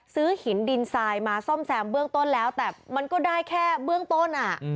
หินดินทรายมาซ่อมแซมเบื้องต้นแล้วแต่มันก็ได้แค่เบื้องต้นอ่ะ